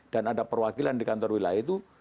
dan ada perwakilan di kantor wilayah itu